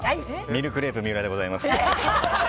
ミルクレープ三浦でございます。